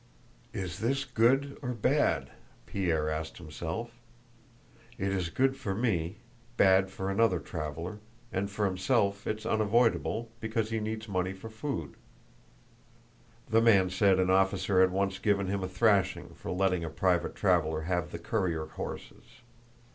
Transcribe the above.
"Is this good or bad?" Pierre asked himself. "It is good for me, bad for another traveler, and for himself it's unavoidable, because he needs money for food; the man said an officer had once given him a thrashing for letting a private traveler have the courier horses.